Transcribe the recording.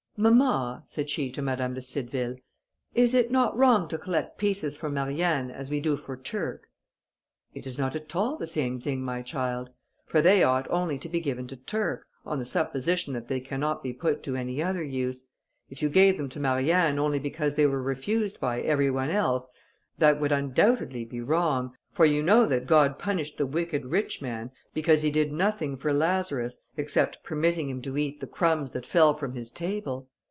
"Mamma," said she to Madame de Cideville, "is it not wrong to collect pieces for Marianne as we do for Turc?" "It is not at all the same thing, my child; for they ought only to be given to Turc, on the supposition that they cannot be put to any other use. If you gave them to Marianne only because they were refused by every one else, that would undoubtedly be wrong, for you know that God punished the wicked rich man, because he did nothing for Lazarus, except permitting him to eat the crumbs that fell from his table.